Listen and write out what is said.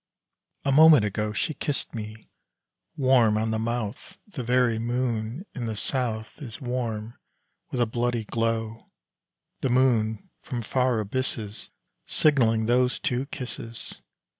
A moment ago She kissed me warm on the mouth, The very moon in the south Is warm with a bloody glow, The moon from far abysses Signalling those two kisses.